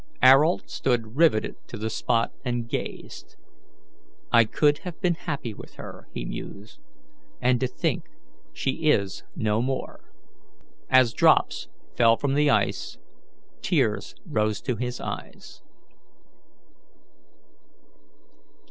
Ayrault stood riveted to the spot and gazed. "I could have been happy with her," he mused, and to think she is no more!" As drops fell from the ice, tears rose to his eyes.